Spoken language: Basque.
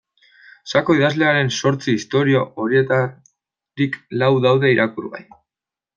Sako idazlearen zortzi istorio horietarik lau daude irakurgai.